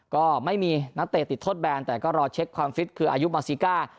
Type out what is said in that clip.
ก็ไม่มีนักเตะติดโทษแบนแต่ก็รอเช็คความฟิตคืออายุมาซิก้า